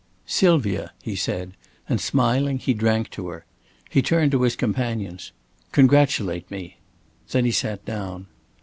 "Sylvia," he said, and, smiling, he drank to her. He turned to his companions. "Congratulate me!" Then he sat down.